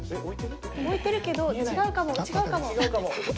置いてるけど違うかも違うかも。